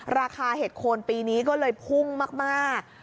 เห็ดโคนปีนี้ก็เลยพุ่งมาก